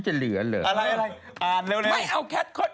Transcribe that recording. อะไรอ่านเร็วนี่